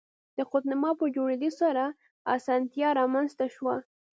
د قطب نما په جوړېدو سره اسانتیا رامنځته شوه.